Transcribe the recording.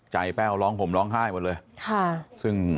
แป้วร้องห่มร้องไห้หมดเลย